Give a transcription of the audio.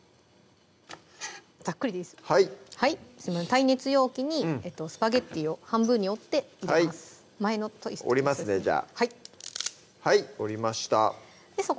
耐熱容器にスパゲッティを半分に折って入れます折りますね